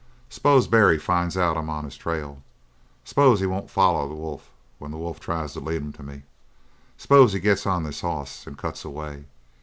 S'pose Barry finds out I'm on his trail; s'pose he won't foller the wolf when the wolf tries to lead him to me. S'pose he gets on this hoss and cuts away?